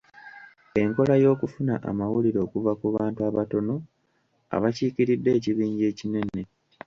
Enkola y’okufuna amawulire okuva ku bantu abatono abakiikiridde ekibinja ekinene.